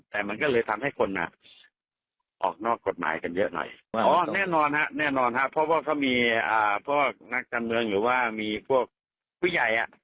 แต่มันก็เลยทำให้คนออกนอกกฎหมายกันเยอะหน่อยแน่นอนฮะแน่นอนครับเพราะว่าเขามีพวกนักการเมืองหรือว่ามีพวกผู้ใหญ่อ่ะ